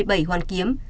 hp bảy hoàn kiếm